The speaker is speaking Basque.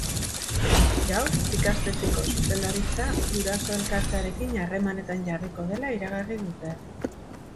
Gaur ikastetxeko zuzendaritza guraso elkartearekin harremanetan jarriko dela iragarri dute.